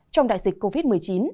trong đại dịch covid một mươi chín